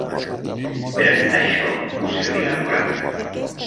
Per a pintar això, us servirà el morat.